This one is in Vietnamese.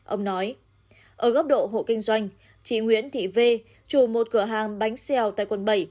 ông nói ở góc độ hộ kinh doanh chị nguyễn thị vê chủ một cửa hàng bánh xèo tại quần bảy